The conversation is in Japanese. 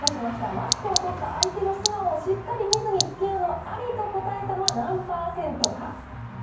マスクを取った相手の素顔をしっかり見ずにつきあうのはありと答えたのは何％か。